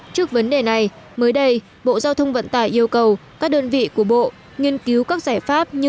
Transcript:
trước vấn đề này mới đây bộ giao thông vận tải yêu cầu các đơn vị của bộ nghiên cứu các giải pháp như